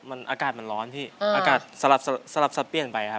อากาศมันร้อนพี่อากาศสลับสลับสับเปลี่ยนไปครับ